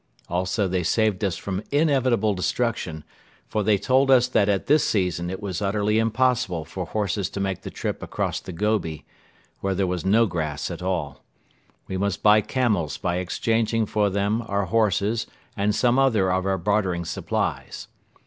Also they saved us from inevitable destruction, for they told us that at this season it was utterly impossible for horses to make the trip across the Gobi, where there was no grass at all. We must buy camels by exchanging for them our horses and some other of our bartering supplies.